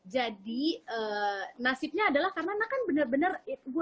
jadi nasibnya adalah karena kan bener bener